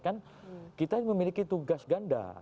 kan kita memiliki tugas ganda